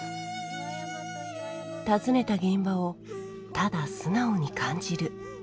訪ねた現場をただ素直に感じるという事